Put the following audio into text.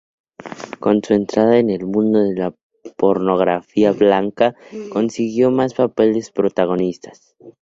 Con su entrada en el mundo de la pornografía blanca, consiguió más papeles protagonistas.